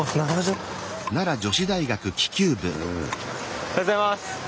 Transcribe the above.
おはようございます。